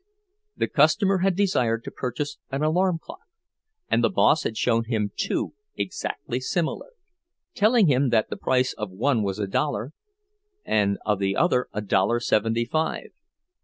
The customer had desired to purchase an alarm clock, and the boss had shown him two exactly similar, telling him that the price of one was a dollar and of the other a dollar seventy five.